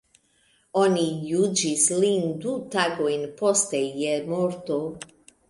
Oni juĝis lin du tagojn poste je morto.